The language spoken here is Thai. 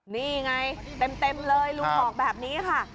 นี่ไงเต็มเลยลุงบอกแบบนี้ค่ะ